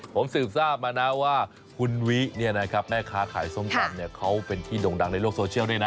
ผมสืบทราบมานะว่าคุณวิแม่ค้าขายส้มตำเขาเป็นที่ด่งดังในโลกโซเชียลด้วยนะ